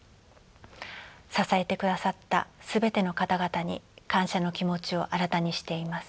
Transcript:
支えてくださった全ての方々に感謝の気持ちを新たにしています。